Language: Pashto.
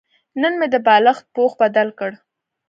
نن مې د بالښت پوښ بدل کړ.